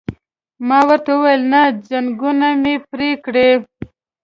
ما ورته وویل: نه، ځنګون مې پرې کړئ.